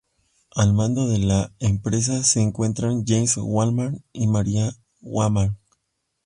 Al mando de la empresa se encuentran James Womack y Marian Womack.